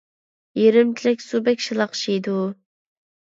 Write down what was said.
يېرىم چېلەك سۇ بەك شالاقشىيدۇ.